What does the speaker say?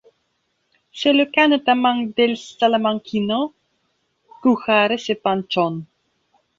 C'est le cas notamment d'El Salamanquíno, Cúchares et Panchón.